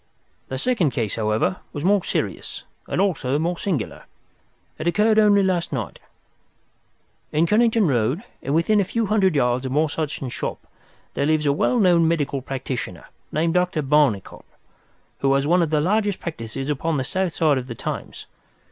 "The second case, however, was more serious, and also more singular. It occurred only last night. "In Kennington Road, and within a few hundred yards of Morse Hudson's shop, there lives a well known medical practitioner, named Dr. Barnicot, who has one of the largest practices upon the south side of the Thames.